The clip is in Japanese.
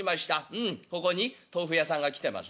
うん『ここに豆腐屋さんが来てます？』